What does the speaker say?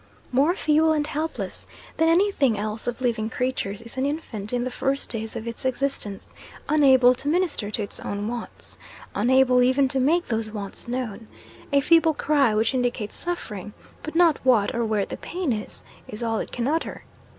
More feeble and helpless than any thing else of living creatures is an infant in the first days of its existence unable to minister to its own wants, unable even to make those wants known: a feeble cry which indicates suffering, but not what or where the pain is, is all it can utter.